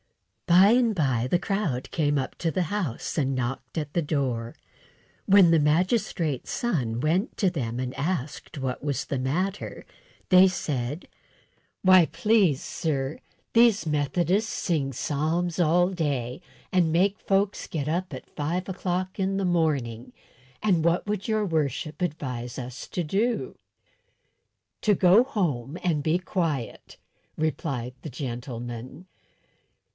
By and by the crowd came up to the house, and knocked at the door. When the magistrate's son went to them and asked what was the matter, they said: "Why, please, sir, these Methodists sing psalms all day, and make folks get up at five o'clock in the morning, and what would your worship advise us to do?" "To go home and be quiet," replied the gentleman.